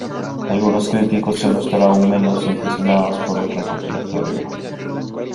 Algunos críticos se mostraron menos impresionados por el recopilatorio.